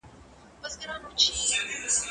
زه به سبا موبایل کار کړم!.